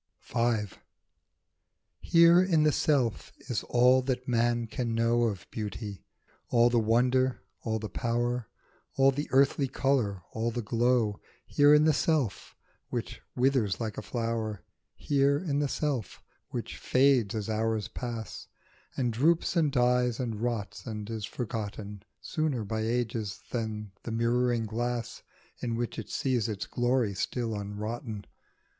V. HERE in the self is all that man can know Of Beauty, all the wonder, all the power, All the unearthly colour, all the glow, Here in the self which withers like a flower; Here in the self which fades as hours pass, And droops and dies and rots and is forgotten Sooner, by ages, than the mirroring glass In which it sees its glory still unrotten.